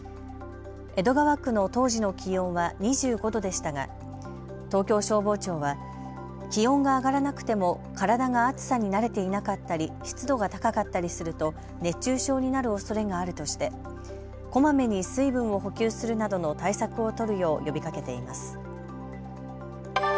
江戸川区の当時の気温は２５度でしたが東京消防庁は気温が上がらなくても体が暑さに慣れていなかったり湿度が高かったりすると熱中症になるおそれがあるとしてこまめに水分を補給するなどの対策を取るよう呼びかけています。